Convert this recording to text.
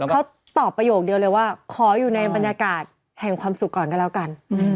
เขาตอบประโยคเดียวเลยว่าขออยู่ในบรรยากาศแห่งความสุขก่อนก็แล้วกัน